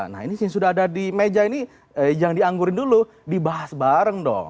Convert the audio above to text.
nah ini sudah ada di meja ini yang dianggurin dulu dibahas bareng dong